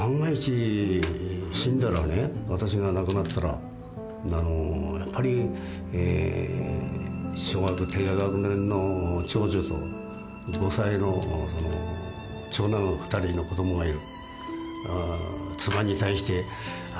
私が亡くなったらやっぱり小学低学年の長女と５歳の長男の２人の子供がいる。